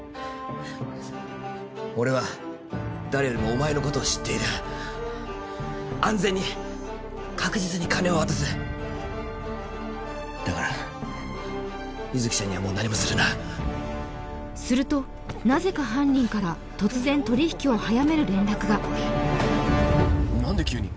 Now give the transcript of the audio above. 俺は誰よりもお前のことを知っている安全に確実に金を渡すだから優月ちゃんにはもう何もするなするとなぜか犯人から突然取引を早める連絡が何で急に？